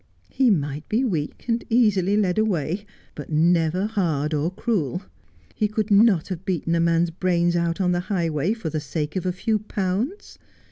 He might be weak and easily led away, but never hard or cruel. He could not have beaten a man's brains out on the highway for the sake of a few pounds.